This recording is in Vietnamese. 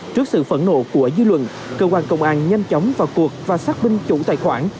trước sự phẫn nộ của dư luận cơ quan công an nhanh chóng vào cuộc và xác minh chủ tài khoản